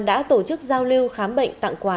đã tổ chức giao lưu khám bệnh tặng quà